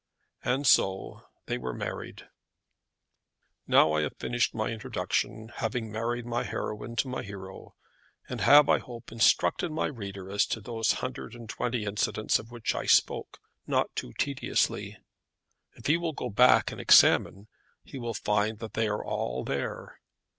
And so they were married. Now I have finished my introduction, having married my heroine to my hero, and have, I hope, instructed my reader as to those hundred and twenty incidents, of which I spoke not too tediously. If he will go back and examine, he will find that they are all there.